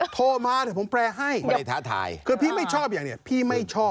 โทรมาเดี๋ยวผมแปรให้คือพี่ไม่ชอบอย่างนี่พี่ไม่ชอบ